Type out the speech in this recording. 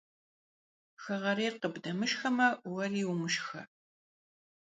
Хэгъэрейр къыбдэмышхэмэ, уэри умышхэ.